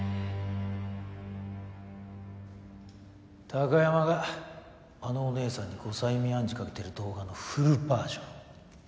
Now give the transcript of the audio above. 貴山があのおねえさんに後催眠暗示かけてる動画のフルバージョン。